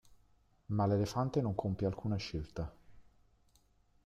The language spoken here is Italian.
Ma l’elefante non compie alcuna scelta.